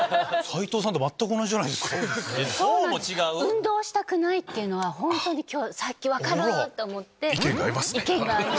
運動したくないっていうのは本当にさっき分かる！と思って。